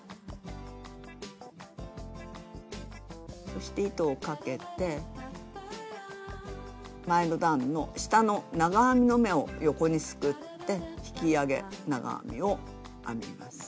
そして糸をかけて前の段の下の長編みの目を横にすくって引き上げ長編みを編みます。